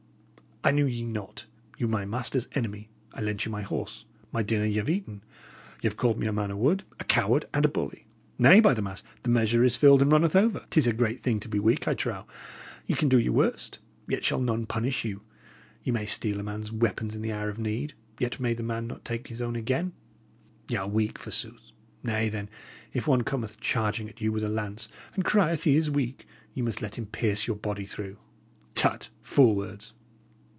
I knew ye not; ye were my master's enemy; I lent you my horse; my dinner ye have eaten; y' 'ave called me a man o' wood, a coward, and a bully. Nay, by the mass! the measure is filled, and runneth over. 'Tis a great thing to be weak, I trow: ye can do your worst, yet shall none punish you; ye may steal a man's weapons in the hour of need, yet may the man not take his own again; y' are weak, forsooth! Nay, then, if one cometh charging at you with a lance, and crieth he is weak, ye must let him pierce your body through! Tut! fool words!"